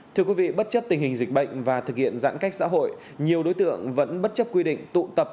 thưa quý vị bất chấp tình hình dịch bệnh và thực hiện giãn cách xã hội nhiều đối tượng vẫn bất chấp quy định tụ tập